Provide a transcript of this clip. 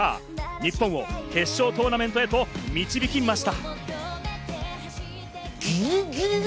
日本を決勝トーナメントへと導きました。